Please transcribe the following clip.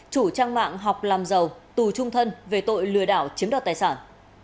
chủ trang mạng học làm giàu tù trung thân về tội lừa đảo chiếm đoạt tài sản